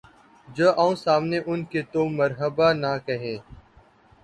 جو آؤں سامنے ان کے‘ تو مرحبا نہ کہیں